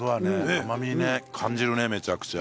甘みね感じるねめちゃくちゃ。